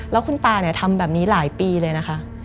แล้วคุณตาทำแบบนี้หลายปีเลยนะคะ